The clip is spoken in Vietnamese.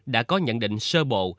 đã có nhận định sơ bộ